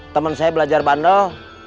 temen saya belajar bandel